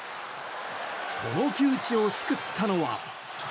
この窮地を救ったのは。